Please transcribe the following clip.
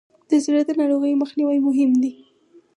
د زړه ناروغیو مخنیوی مهم دی.